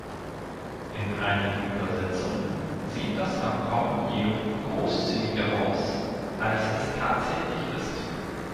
In einigen Übersetzungen sieht das Abkommen jedoch großzügiger aus als es tatsächlich ist.